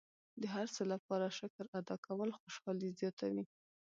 د هر څه لپاره شکر ادا کول خوشحالي زیاتوي.